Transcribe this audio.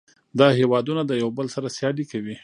دا هیوادونه د یو بل سره سیالي کوي